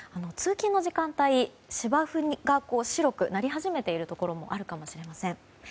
通勤の時間帯芝生が白くなり始めているところもあるかもしれません。